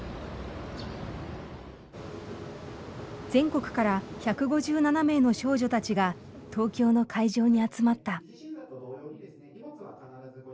全国から１５７名の少女たちが東京の会場に集まった。